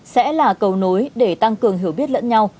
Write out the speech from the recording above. sẽ là cầu nối để tăng cường hiểu biết lẫn nhau